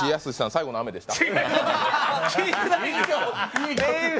「最後の雨」でした？